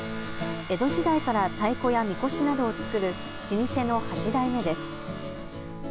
江戸時代から太鼓やみこしなどを作る老舗の８代目です。